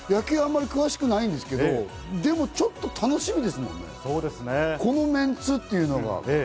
僕は野球はあまり詳しくないんですけど、でもちょっと楽しみですもんね、このメンツっていうのが。